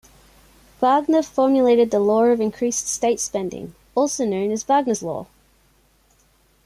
Wagner formulated the Law of Increasing State Spending, also known as Wagner's Law.